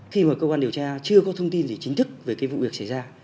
khi mà cơ quan điều tra chưa có thông tin gì chính thức về cái vụ việc xảy ra